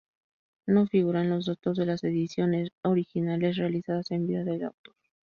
No figuran los datos de las ediciones originales realizadas en vida del autor.